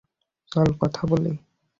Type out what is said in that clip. চল কথা বলি।